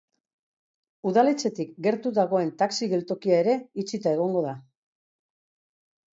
Udaletxetik gertu dagoen taxi geltokia ere itxita egongo da.